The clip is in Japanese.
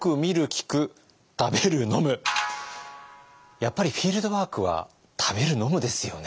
やっぱりフィールドワークは「たべる・のむ」ですよね。